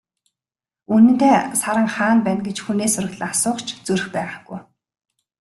Үнэндээ, Саран хаана байна гэж хүнээс сураглан асуух ч зүрх байгаагүй.